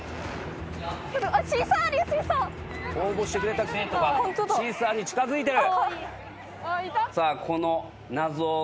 応募してくれた生徒がシーサーに近づいてる！